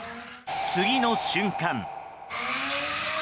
次の瞬間！